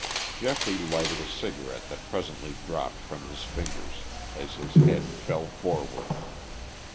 Geoffrey lighted a cigarette that presently dropped from his fingers and his head fell forward.